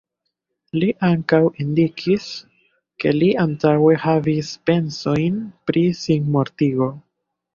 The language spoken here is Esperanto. Li ankaŭ indikis, ke li antaŭe havis pensojn pri sinmortigo.